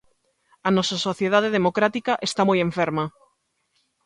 A nosa sociedade democrática está moi enferma.